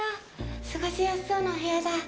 過ごしやすそうなお部屋だ。